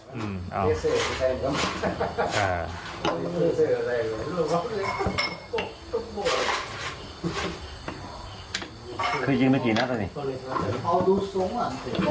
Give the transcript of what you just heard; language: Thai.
เคยกินเมื่อกี้นักอ่ะสิ